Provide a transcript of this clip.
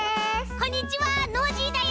こんにちはノージーだよ。